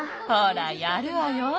ほらやるわよ。